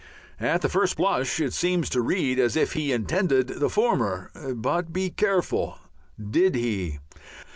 At the first blush it seems to read as if he intended the former. But be careful! Did he?